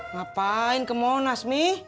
ngapain ke monas mi